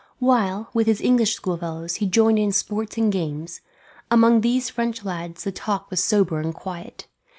While, with his English schoolfellows, he joined in sports and games; among these French lads the talk was sober and quiet.